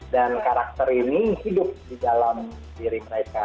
dan karakter ini hidup di dalam diri mereka